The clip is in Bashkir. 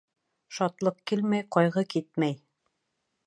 Шатлыҡ килмәй ҡайғы китмәй.